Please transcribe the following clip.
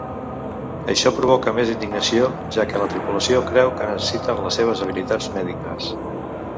Això provoca més indignació, ja que la tripulació creu que necessiten les seves habilitats mèdiques.